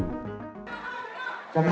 kenapa hitam putih